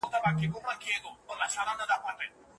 د اوبو چښل د روغتیا لپاره ډېر اړین دي.